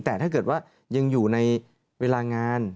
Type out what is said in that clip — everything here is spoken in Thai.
แต่ถ้าเกิดว่ายังอยู่ในเวลางาน